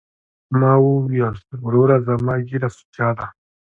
ما وويل وروره زما ږيره سوچه ده.